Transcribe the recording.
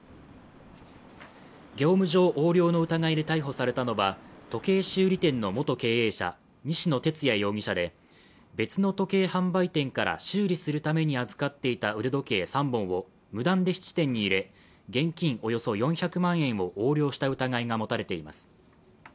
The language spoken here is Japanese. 業務上横領の疑いで逮捕されたのは、時計修理店の元経営者、西野哲也容疑者で別の時計販売店から修理するために預かっていた腕時計３本を無断で質店に入れ、現金およそ４００万円を横領した疑いが持たれています。